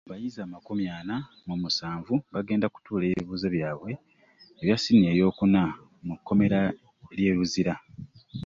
Abayizi amakumi ana mu musanvu bagenda kutuula ebibuuzo byabwe ebya siniya eyookuna mu kkomera ly’e Luzira.